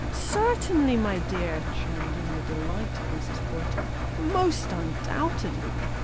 " Certainly, my dear," chimed in the delighted Mrs. Porter ;" most undoubtedly